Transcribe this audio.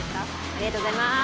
ありがとうございます。